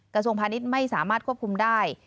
กระทรวงพาณิชย์ไม่สามารถควบคุมได้